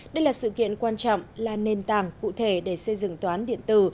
đây là sự kiện quan trọng là nền tảng cụ thể để xây dựng tòa án điện tử